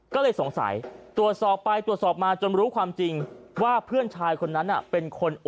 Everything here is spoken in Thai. ก็เลยสงสัยตรวจสอบไปตรวจสอบมาจนรู้ความจริงว่าเพื่อนชายคนนั้นเป็นคน